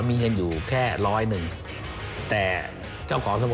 ก็คือคุณอันนบสิงต์โตทองนะครับ